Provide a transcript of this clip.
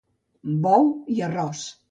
Bou i arròs.